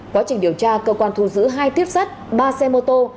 quá trình điều tra cơ quan thu giữ hai tiếp sắt ba xe mô tô